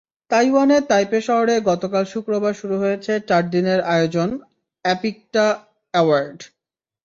তাইওয়ানের তাইপে শহরে গতকাল শুক্রবার শুরু হয়েছে চার দিনের আয়োজন অ্যাপিকটা অ্যাওয়ার্ড।